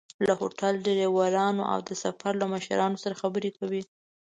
له هوټل، ډریورانو او د سفر له مشرانو سره خبرې کوي.